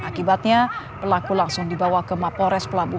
akibatnya pelaku langsung dibawa ke mapores pelabuhan